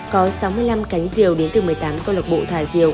có sáu mươi năm cánh diều đến từ một mươi tám con lọc bộ thả diều